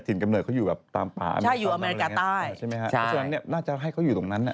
ถิ่นกำเนิดเขาอยู่แบบตามป่าอเมริกาเข้าแล้วไงเอ๋ใช่ไหมฮะส่วนอันนี้น่าจะให้เขาอยู่ตรงนั้น